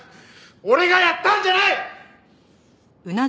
俺がやったんじゃない！